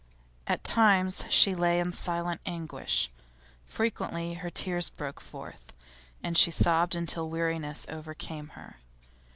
At times she lay in silent anguish; frequently her tears broke forth, and she sobbed until weariness overcame her.